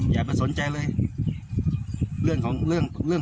อย่าไปสนใจเลยเรื่องพันธุ์นั้นน่ะ